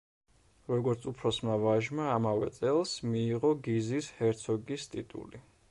როგორც უფროსმა ვაჟმა ამავე წელს მიიღო გიზის ჰერცოგის ტიტული.